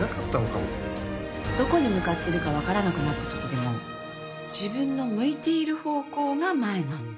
「どこに向かってるか分からなくなったときでも自分の向いている方向が前なんだ」